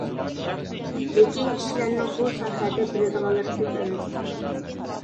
لېكىن كىشىلەرنىڭ بۇ ساھەدە بىلىدىغانلىرى كۆپ ئەمەس.